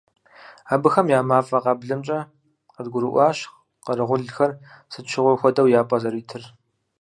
Абыхэм я мафӀэ къаблэмкӀэ къыдгурыӀуащ къэрэгъулхэр, сыт щыгъуи хуэдэу, я пӀэ зэритыр.